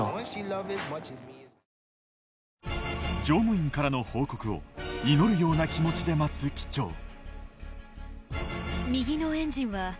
乗務員からの報告を祈るような気持ちで待つ機長